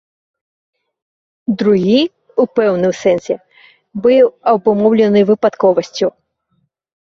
Другі, у пэўным сэнсе, быў абумоўлены выпадковасцю.